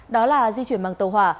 đó là di chuyển bằng tàu hỏa